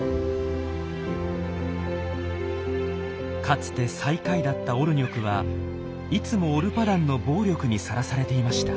かつて最下位だったオルニョクはいつもオルパダンの暴力にさらされていました。